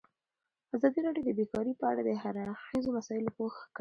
ازادي راډیو د بیکاري په اړه د هر اړخیزو مسایلو پوښښ کړی.